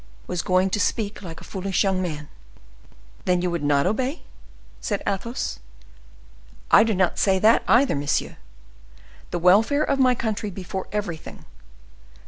was going to speak like a foolish young man." "Then you would not obey?" said Athos. "I do not say that either, monsieur. The welfare of my country before everything.